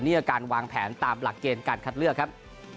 นี่คือการวางแผนตามหลักเกณฑ์การคัดเลือกครับ